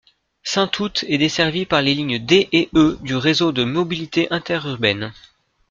Saint-Août est desservie par les lignes D et E du Réseau de mobilité interurbaine.